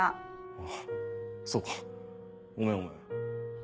あぁそうかごめんごめん。